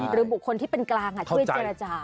หรือบุคคลที่เป็นกลางช่วยเจรจา